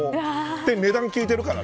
値段聞いてるからね。